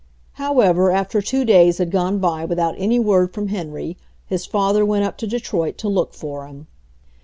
However, after two days had gone by without any word from Henry his father went up to De troit to look for him.